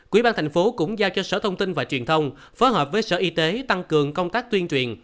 quỹ ban thành phố cũng giao cho sở thông tin và truyền thông phối hợp với sở y tế tăng cường công tác tuyên truyền